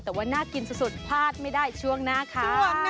แต่ว่าน่ากินสุดพลาดไม่ได้ช่วงหน้าค่ะ